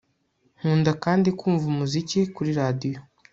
Nkunda kandi kumva umuziki kuri radio